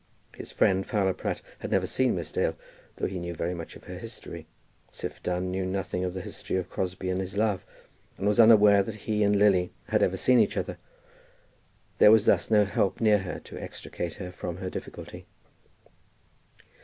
His friend Fowler Pratt had never seen Miss Dale, though he knew very much of her history. Siph Dunn knew nothing of the history of Crosbie and his love, and was unaware that he and Lily had ever seen each other. There was thus no help near her to extricate her from her difficulty.